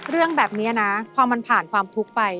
เรื่องแบบนี้นะพอมันผ่านความทุกข์ไป